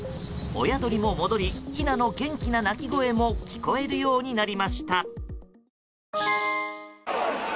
親鳥も戻りひなの元気な鳴き声も聞こえるようになりました。